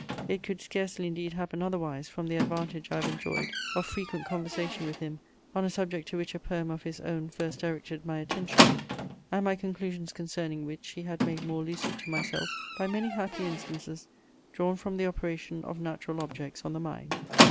It could scarcely indeed happen otherwise, from the advantage I have enjoyed of frequent conversation with him on a subject to which a poem of his own first directed my attention, and my conclusions concerning which he had made more lucid to myself by many happy instances drawn from the operation of natural objects on the mind.